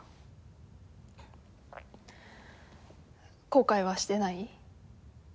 後悔はしてない？